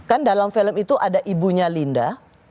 kan dalam film itu ada ibunya linda